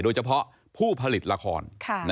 โดยเฉพาะผู้ผลิตละคร